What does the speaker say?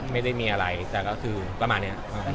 ไม่ได้มีอะไรแต่ก็คือประมาณนี้